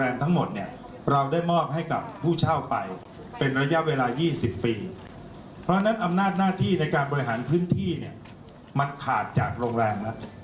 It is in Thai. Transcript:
มันขาดจากโรงแรมแล้ว